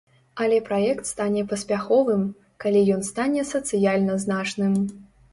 Але праект стане паспяховым, калі ён стане сацыяльна значным.